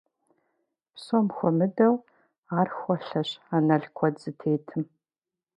Псом хуэмыдэу, ар хуэлъэщ анэл куэд зытетым.